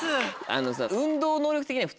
あのさ。